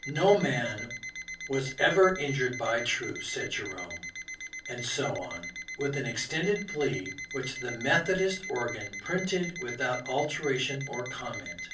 '' No man was ever injured by truth," said Jerome. And so on, with an extended plea which the Methodist organ printed without alteration or comment.